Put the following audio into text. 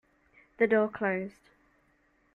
The door closed.